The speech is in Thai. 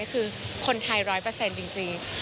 คือคนไทยร้อยเปอร์เซ็นต์จริง